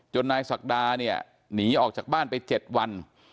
นายศักดาเนี่ยหนีออกจากบ้านไป๗วัน